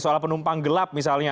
soal penumpang gelap misalnya